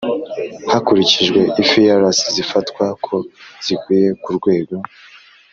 Hakurikijwe ifrs zifatwa ko zikwiye ku rwego